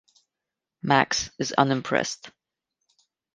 Max is unimpressed.